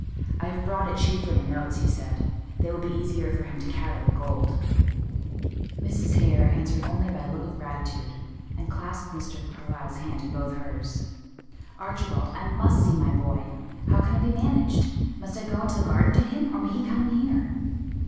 "I have brought it chiefly in notes," he said: "they will be easier for him to carry than gold." Mrs. Hare answered only by a look of gratitude, and clasped Mr. Carlyle's hand in both hers. "Archibald, I must see my boy; how can it be managed? Must I go into the garden to him, or may he come in here?"